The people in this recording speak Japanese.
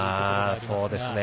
そうですね。